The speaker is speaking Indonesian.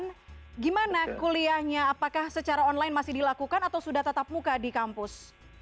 dan gimana kuliahnya apakah secara online masih dilakukan atau sudah tetap muka di kampus